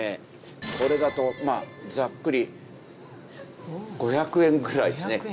これだとまあざっくり５００円くらいですね。